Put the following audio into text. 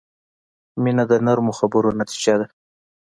• مینه د نرمو خبرو نتیجه ده.